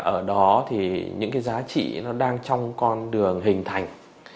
ở đó thì những cái giá trị nó đang trong con đường hình thành